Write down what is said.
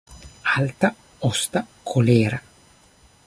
Alta, osta, kolera.